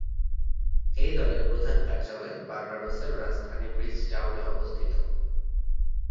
এই দলের প্রধান কার্যালয় বার্বাডোসের রাজধানী ব্রিজটাউনে অবস্থিত।